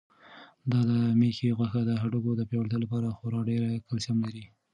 دا د مېښې غوښه د هډوکو د پیاوړتیا لپاره خورا ډېر کلسیم لري.